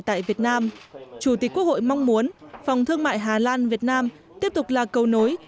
tại việt nam chủ tịch quốc hội mong muốn phòng thương mại hà lan việt nam tiếp tục là cầu nối